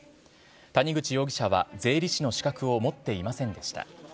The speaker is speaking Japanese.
谷口容疑者は税理士の資格を持っていませんでした。